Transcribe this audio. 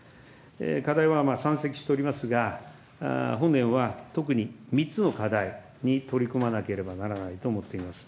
課題は山積しておりますが、本年は特に３つの課題に取り組まなければならないと思っています。